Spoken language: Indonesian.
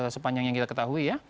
sepanjang yang kita ketahui ya